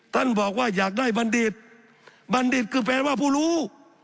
บอกว่าอยากได้บัณฑิตบัณฑิตคือแฟนว่าผู้รู้